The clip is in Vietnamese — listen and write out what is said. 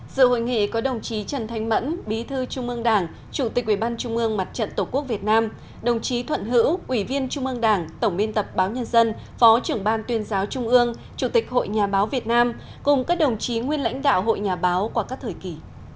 dự hội nghị có đồng chí trần thánh mẫn bí thư trung mương đảng chủ tịch ubnd mặt trận tổ quốc việt nam đồng chí thuận hữu quỷ viên trung mương đảng tổng biên tập báo nhân dân phó trưởng ban tuyên giáo trung ương chủ tịch hội nhà báo việt nam cùng các đồng chí nguyên lãnh đạo hội nhà báo qua các thời kỳ